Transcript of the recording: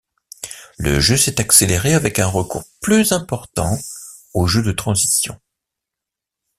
Le jeu s'est accéléré avec un recours plus important au jeu de transition.